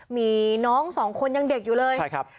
มีน้องสองคนยังเด็กอยู่เลย